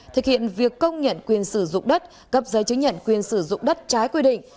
thực hiện việc công nhận quyền sử dụng đất gặp giấy chứng nhận quyền sử dụng đất trái quy định